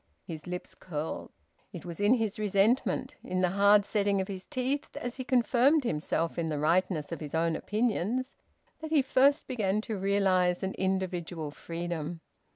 His lips curled. It was in his resentment, in the hard setting of his teeth as he confirmed himself in the rightness of his own opinions, that he first began to realise an individual freedom.